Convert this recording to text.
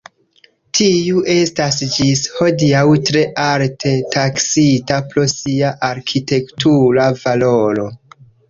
Tiu estas ĝis hodiaŭ tre alte taksita pro sia arkitektura valoro.